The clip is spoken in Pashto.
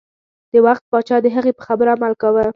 د وخت پاچا د هغې په خبرو عمل کاوه.